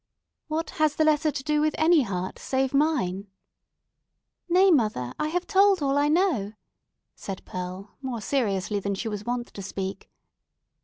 "What has the letter to do with any heart save mine?" "Nay, mother, I have told all I know," said Pearl, more seriously than she was wont to speak.